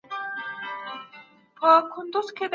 د استاد نیمګړتیاوې باید ښکاره سی.